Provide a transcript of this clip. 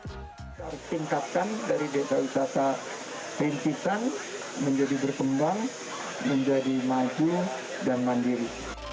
harus tingkatkan dari desa desa pencisang menjadi berkembang menjadi maju dan mandiri